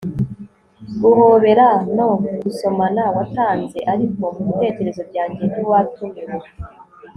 guhobera no gusomana watanze, ariko mubitekerezo byanjye ntiwatumiwe